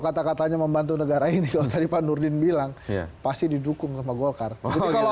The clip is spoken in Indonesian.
kata katanya membantu negara ini kalau tadi pak nurdin bilang pasti didukung sama golkar jadi kalau